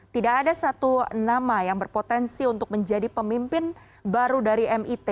tidak ada satu nama yang berpotensi untuk menjadi pemimpin baru dari mit